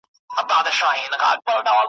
د ملي حافظې د یوې برخې په توګه مطالعه کړ